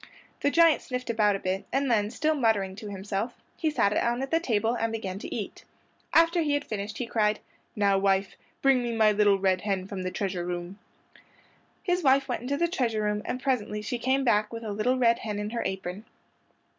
The giant sniffed about a bit, and then, still muttering to himself, he sat down at the table and began to eat. After he had finished he cried, "Now wife, bring me my little red hen from the treasure room." His wife went into the treasure room, and presently she came back with a little red hen in her apron.